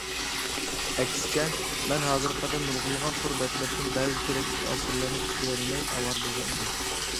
ئەكسىچە، مەن ھازىرغا قەدەر نۇرغۇنلىغان تور بەتلىرىدىن بەزى كېرەكلىك ئەسەرلەرنى چۈشۈرەلمەي ئاۋارە بولغان ئىدىم.